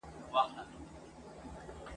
له ستوني د لر او بر یو افغان چیغه را وزي ..